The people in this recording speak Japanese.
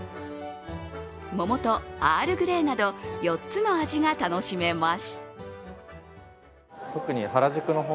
桃とアールグレイなど４つの味が楽しめます。